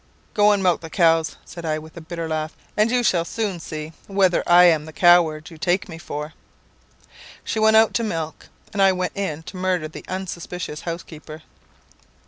'Go and milk the cows,' said I with a bitter laugh, 'and you shall soon see whether I am the coward you take me for.' She went out to milk, and I went in to murder the unsuspicious housekeeper.